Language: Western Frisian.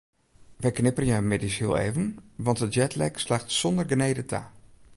Wy knipperje middeis hiel even want de jetlag slacht sonder genede ta.